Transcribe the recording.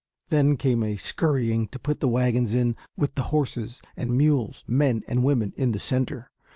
Then came a scurrying to put the wagons in a circle with the horses and mules, men and women, in the center.